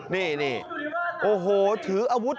นี่โอ้โหถืออาวุธ